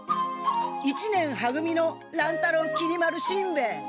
一年は組の乱太郎きり丸しんべヱ！